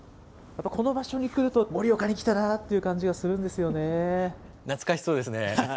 この場所に来ると、盛岡に来たなっていう感じがするんですよね。